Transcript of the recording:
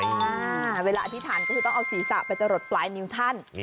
เวลาอธิษฐานก็คือต้องเอาศีรษะไปจะหลดปลายนิ้วท่าน